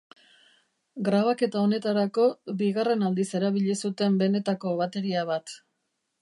Grabaketa honetarako, bigarren aldiz erabili zuten benetako bateria bat.